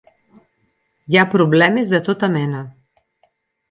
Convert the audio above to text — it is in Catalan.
Hi ha problemes de tota mena.